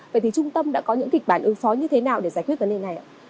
vậy thì trung tâm đã có những kịch bản ứng phó như thế nào để giải quyết vấn đề này ạ